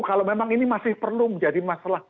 kalau memang ini masih perlu menjadi masalah